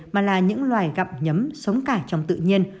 mà là những loài gạm nhấm sống cải trong tự nhiên